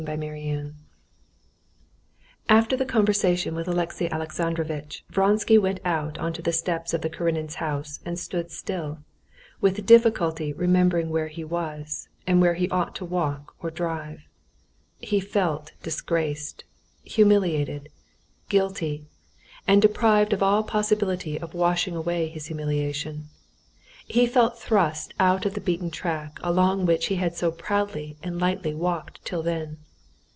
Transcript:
Chapter 18 After the conversation with Alexey Alexandrovitch, Vronsky went out onto the steps of the Karenins' house and stood still, with difficulty remembering where he was, and where he ought to walk or drive. He felt disgraced, humiliated, guilty, and deprived of all possibility of washing away his humiliation. He felt thrust out of the beaten track along which he had so proudly and lightly walked till then.